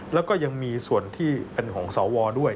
แล้วก็ยังมีส่วนที่เป็นของสวด้วย